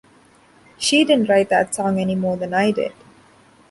She didn't write that song any more than I did.